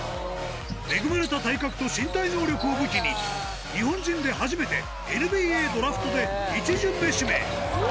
恵まれた体格と身体能力を武器に、日本人で初めてＮＢＡドラフトで１巡目指名。